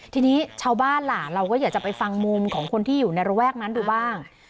ทีนี้ชาวบ้านล่ะเราก็อยากจะไปฟังมุมของคนที่อยู่ในระแวกนั้นดูบ้าง